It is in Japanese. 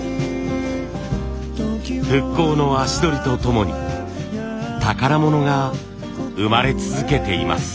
復興の足取りとともに宝物が生まれ続けています。